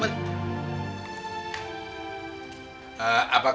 mari silahkan masuk